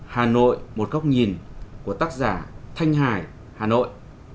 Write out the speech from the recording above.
hà nội một góc nhìn của tác giả thanh hải hà nội